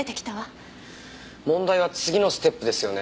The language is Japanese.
問題は次のステップですよね。